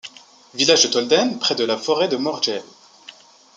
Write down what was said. Village de Tolden près de la forêt de Morjeal.